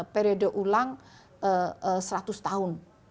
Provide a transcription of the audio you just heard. periode ulang seratus tahun